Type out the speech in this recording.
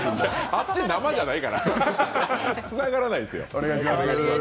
あっち生じゃないから、つながらないですよ。